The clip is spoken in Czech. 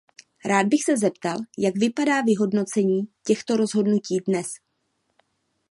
Rád bych se zeptal, jak vypadá vyhodnocení těchto rozhodnutí dnes.